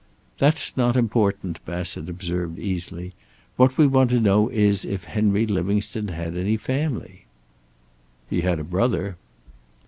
"That's not important," Bassett observed, easily. "What we want to know is if Henry Livingstone had any family." "He had a brother."